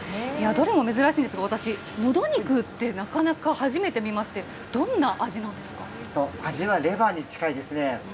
どれも珍しいんですけど、私、ノド肉ってなかなか初めて見まし味はレバーに近いですね。